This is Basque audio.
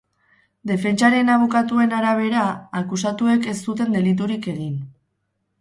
Defentsaren abokatuen arabera, akusatuek ez zuten deliturik egin.